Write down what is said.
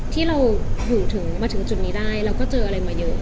ที่เราอยู่ถึงมาถึงจุดนี้ได้เราก็เจออะไรมาเยอะ